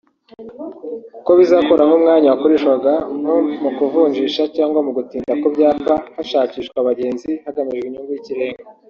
kuko bizakuraho umwanya wakoreshwaga nko mu kuvunjisha cyangwa mu gutinda ku byapa hashakishwa abagenzi hagamijwe inyungu y’ikirenga